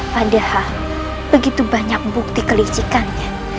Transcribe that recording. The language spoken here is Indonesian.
padahal begitu banyak bukti kelicikannya